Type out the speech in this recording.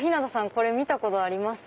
これ見たことあります？